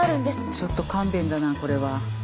ちよっと勘弁だなこれは。